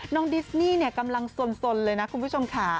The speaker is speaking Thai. น้องดิสนี่กำลังสนเลยนะคุณผู้ชมขา